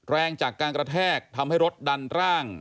แรงจากการกระแทกทำให้รถดันร่าง